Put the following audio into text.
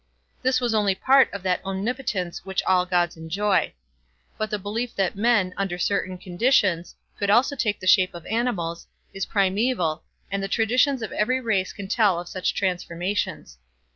This was only part of that omnipotence which all gods enjoy. But the belief that men, under certain conditions, could also take the shape of animals, is primaeval, and the traditions of every race can tell of such transformations.